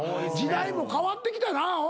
時代も変わってきたな。